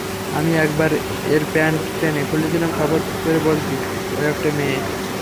আমি একবার এর প্যান্ট টেনে খুলেছিলাম, শপথ করে বলছি, ও একটা মেয়ে!